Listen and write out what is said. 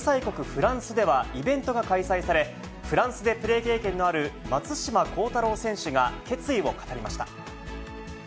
フランスでは、イベントが開催され、フランスでプレー経験のある松島幸太朗選手が決意を語りました。